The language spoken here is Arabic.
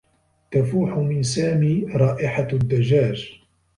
تفوح من سامي رائحة الدّجاج.